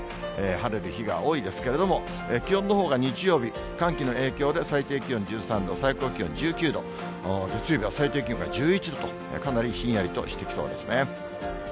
晴れる日が多いですけれども、気温のほうが日曜日、寒気の影響で最低気温１３度、最高気温１９度、月曜日は最低気温が１１度と、かなりひんやりとしてきそうですね。